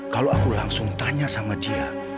kalau aku langsung tanya sama dia